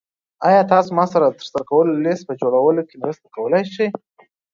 ایا تاسو ما سره د ترسره کولو لیست په جوړولو کې مرسته کولی شئ؟